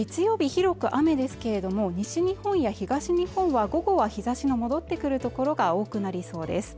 広く雨ですけれども西日本や東日本は午後は日差しが戻ってくるところが多くなりそうです